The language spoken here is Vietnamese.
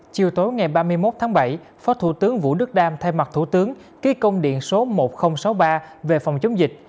chiều tối ngày ba mươi một tháng bảy phó thủ tướng vũ đức đam thay mặt thủ tướng ký công điện số một nghìn sáu mươi ba về phòng chống dịch